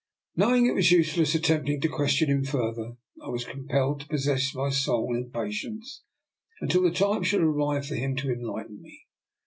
Knowing it was useless attempting to question him further, I was compelled to pos sess my soul in patience until the time should arrive for him to enlighten me.